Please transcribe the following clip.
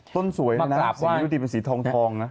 ต้นสวยนะเนี่ยต้นสวยเย็นตรงทอง